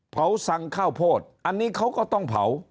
สั่งข้าวโพดอันนี้เขาก็ต้องเผา